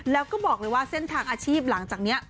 แล้วก็บอกเลยว่าเส้นทางอาชีพหลังจากนี้